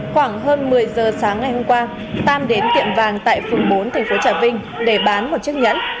khoảng hơn một mươi giờ sáng ngày hôm qua tam đến tiệm vàng tại phường bốn thành phố trà vinh để bán một chiếc nhẫn